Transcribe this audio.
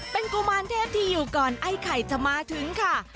เป็นกุมารเทพที่อยู่ก่อนไอ้ไข่จะมาถึงค่ะ